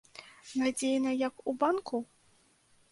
Надзейна, як у банку?